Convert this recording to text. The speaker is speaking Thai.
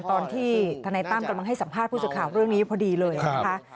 ตอนที่ธนายตั้มกำลังให้สัมภาษณ์ผู้สื่อข่าวเรื่องนี้พอดีเลยนะคะ